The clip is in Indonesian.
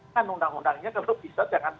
kan undang undangnya tentu bisa